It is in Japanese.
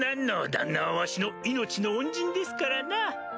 旦那はわしの命の恩人ですからな！